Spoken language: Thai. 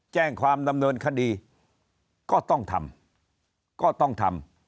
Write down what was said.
แจ้งความดำเนินคดีก็ต้องทำก็ต้องทำ